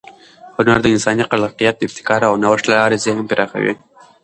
هنر د انساني خلاقیت، ابتکار او نوښت له لارې ذهن پراخوي.